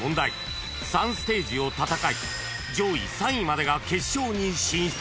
３ステージを戦い上位３位までが決勝に進出］